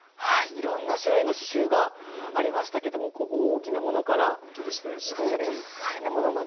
いろんな種類の刺しゅうがありましたけどもこう大きなものから繊細なものまで。